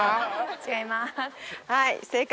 違います。